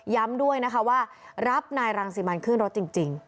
ย้ำด้วยนะคะว่ารับนายดังสิมันเครื่องรถจริง